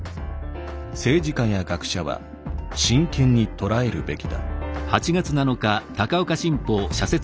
政治家や学者は真剣に捉えるべきだ」。